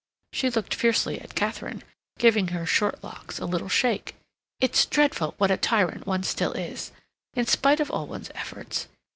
She looked fiercely at Katharine, giving her short locks a little shake. "It's dreadful what a tyrant one still is, in spite of all one's efforts.